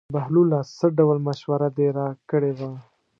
بهلوله څه ډول مشوره دې راکړې وه.